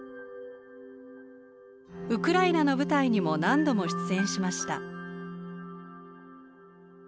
ウクライナの舞台にも何度も出演しました。